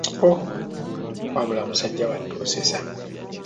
Oh, wabula musajja wattu osesa.